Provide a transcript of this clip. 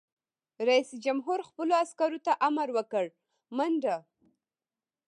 رئیس جمهور خپلو عسکرو ته امر وکړ؛ منډه!